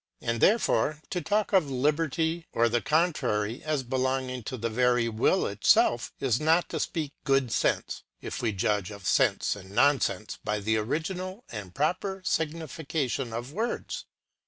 And therefore, to talk of liberty, or the contrary, as belonging to the very will itself, is not to speak good sense, if we judge of sense and non sense by the original and proper signification of words.